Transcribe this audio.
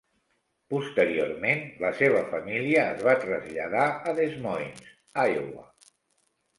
Posteriorment la seva família es va traslladar a Des Moines, Iowa.